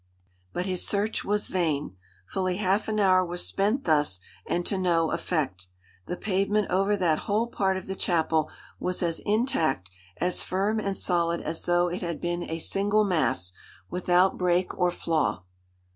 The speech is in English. But his search was vain. Fully half an hour was spent thus, and to no effect. The pavement over that whole part of the chapel was as intact, as firm and solid as though it had been a single mass, without break or flaw.